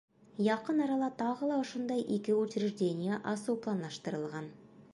Яҡын арала тағы ла ошондай ике учреждение асыу планлаштырылған.